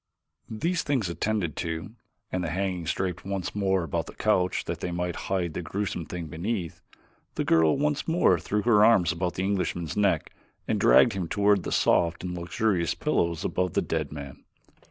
These things attended to, and the hangings draped once more about the couch that they might hide the gruesome thing beneath, the girl once more threw her arms about the Englishman's neck and dragged him toward the soft and luxurious pillows above the dead man.